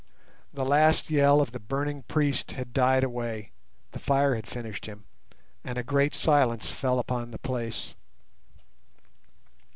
The last yell of the burning priest had died away, the fire had finished him, and a great silence fell upon the place.